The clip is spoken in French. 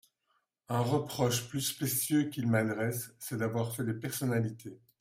Un reproche plus spécieux qu'ils m'adressent, c'est d'avoir fait des personnalités.